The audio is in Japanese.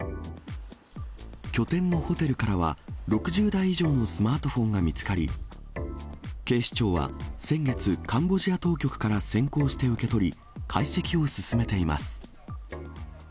拠点のホテルからは、６０台以上のスマートフォンが見つかり、警視庁は先月、カンボジア当局から先行して受け取り、解析を進めています。